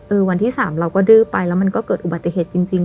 วันที่๓เราก็ดื้อไปแล้วมันก็เกิดอุบัติเหตุจริง